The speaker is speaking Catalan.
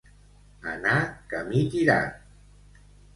Anar camí tirat.